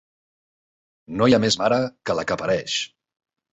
No hi ha més mare que la que pareix.